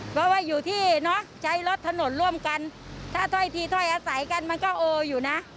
เพราะว่าอยู่ที่เนอะใช้รถถนนร่วมกันถ้าถ้อยทีถ้อยอาศัยกันมันก็โออยู่นะ